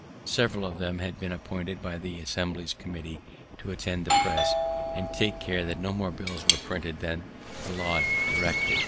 Several of them had been appointed by the Assembly a committee to attend the press, and take care that no more bills were printed than the law directed.